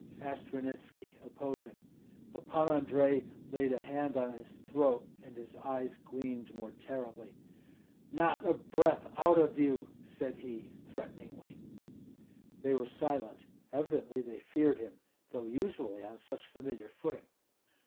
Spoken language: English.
asked Ranitski, opposing. But Pan Andrei laid a hand on his throat, and his eyes gleamed more terribly. "Not a breath out of you!" said he, threateningly. They were silent; evidently they feared him, though usually on such familiar footing.